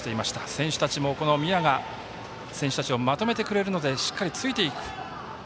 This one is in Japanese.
選手たちも宮が選手たちをまとめてくれるのでしっかりついていく。